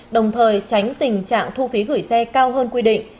đồng thời tránh tình trạng thu phí gửi xe cao hơn quy định